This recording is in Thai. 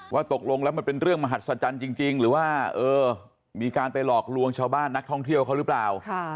ตกลงแล้วมันเป็นเรื่องมหัศจรรย์จริงหรือว่ามีการไปหลอกลวงชาวบ้านนักท่องเที่ยวเขาหรือเปล่า